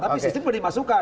tapi sistem boleh dimasukkan